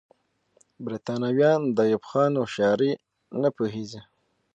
برتانويان د ایوب خان هوښیاري نه پوهېږي.